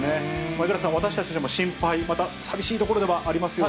五十嵐さん、私たちも心配、また寂しいところではありますよね。